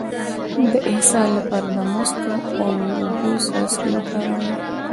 د اسهال لپاره د مستو او اوبو څاڅکي وکاروئ